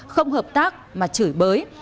không hợp tác mà chửi bới